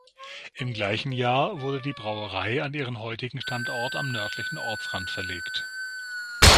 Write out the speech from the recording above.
Im gleichen Jahr wurde die Brauerei an ihren heutigen Standort am nördlichen Ortsrand verlegt.